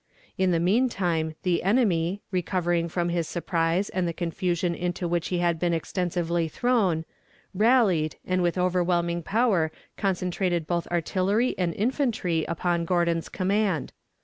In the mean time the enemy, recovering from his surprise and the confusion into which he had been extensively thrown, rallied and with overwhelming power concentrated both artillery and infantry upon Gordon's command.